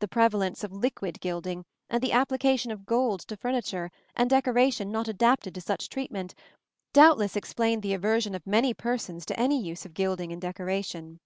The prevalence of liquid gilding, and the application of gold to furniture and decoration not adapted to such treatment, doubtless explain the aversion of many persons to any use of gilding in decoration.